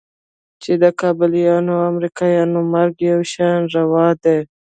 چې د کابليانو او امريکايانو مرګ يو شان روا دى.